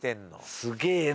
すげえな。